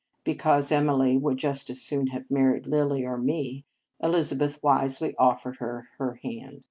Because Emily would just as soon have married Lilly or me, Elizabeth wisely offered her her hand.